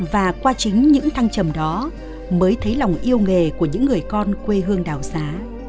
và qua chính những thăng trầm đó mới thấy lòng yêu nghề của những người con quê hương đảo giá